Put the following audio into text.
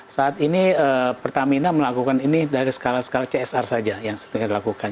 saat ini pertamina melakukan ini dari skala skala csr saja yang sudah dilakukan